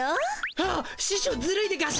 あっししょうずるいでガシ。